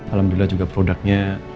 alhamdulillah juga produknya